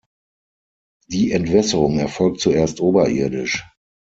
Die Entwässerung erfolgt zuerst oberirdisch.